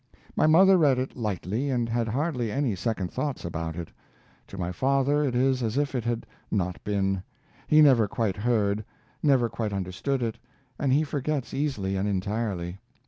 My mother read it lightly and had hardly any second thoughts about it. To my father it is as if it had not been; he never quite heard, never quite understood it, and he forgets easily and entirely.